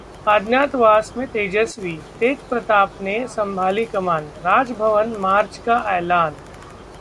अज्ञातवास में तेजस्वी, तेजप्रताप ने संभाली कमान, राजभवन मार्च का ऐलान